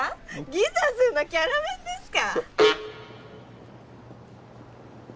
ギザズーのキャラ弁ですか！